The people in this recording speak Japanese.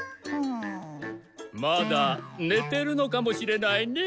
まだねてるのかもしれないね。